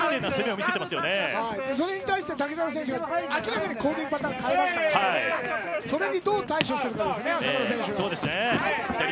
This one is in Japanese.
それに対して瀧澤選手は明らかに攻撃パターンを変えましたからそれにどう対処するかですね。